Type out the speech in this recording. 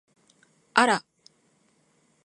あら！